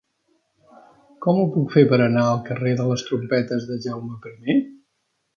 Com ho puc fer per anar al carrer de les Trompetes de Jaume I?